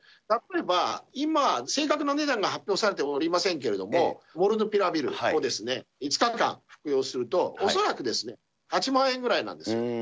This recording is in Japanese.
例えば今、正確な値段が発表されておりませんけれども、モヌルピラビルを５日間服用すると恐らくですよ、８万円ぐらいなんですよ。